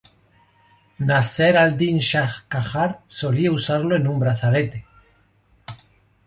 Nasser-al-Din Shah Qajar solía usarlo en un brazalete.